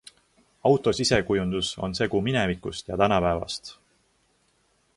Auto sisekujundus on segu minevikust ja tänapäevast.